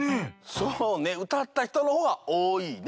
そうねうたったひとのほうがおおいね。